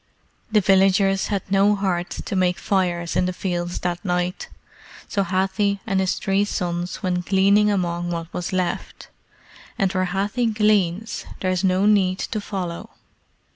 The villagers had no heart to make fires in the fields that night, so Hathi and his three sons went gleaning among what was left; and where Hathi gleans there is no need to follow.